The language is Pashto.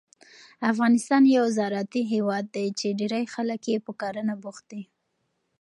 افغانستان یو زراعتي هېواد دی چې ډېری خلک یې په کرنه بوخت دي.